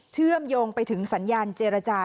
เชื่อมโยงไปถึงสัญญาณเจรจา